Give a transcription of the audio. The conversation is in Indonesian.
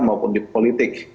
maupun di politik